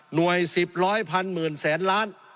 หน่วยสิบร้อยพันหมื่นแสนล้าน